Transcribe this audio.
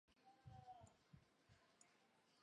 小小斑叶兰为兰科斑叶兰属下的一个种。